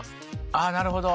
あなるほど。